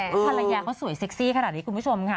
ภรรยาเขาสวยเซ็กซี่ขนาดนี้คุณผู้ชมค่ะ